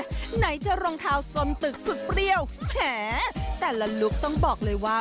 ไหนจะรองเท้ากลมตึกสุดเปรี้ยวแหมแต่ละลุคต้องบอกเลยว่า